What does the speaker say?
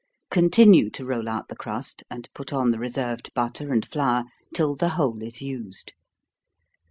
Continue to roll out the crust, and put on the reserved butter and flour, till the whole is used.